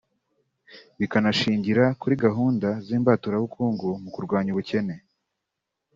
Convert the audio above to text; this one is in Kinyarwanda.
bikanashingira kuri gahunda z’imbaturabukungu mu kurwanya ubukene